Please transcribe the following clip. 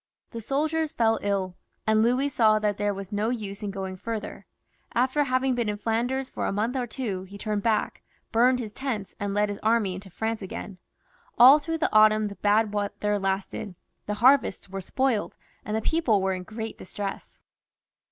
The soldiers fell ill, and Louis saw that there was no use in going farther. After having been in Flanders for a month or two, he turned back, burnt his tents, and led his army into France again. All through the autumn the bad weather lasted ; the harvests were spoiled, and the people were in great distress.